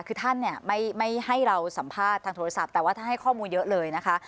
คือท่านเนี่ยไม่ให้เราสัมภาษณ์ทางโทรศัพท์แต่ว่าท่านให้ข้อมูลเยอะเลยนะคะ